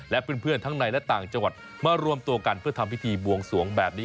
และเพื่อนทั้งในและต่างจังหวัดมารวมตัวกันเพื่อทำพิธีบวงสวงแบบนี้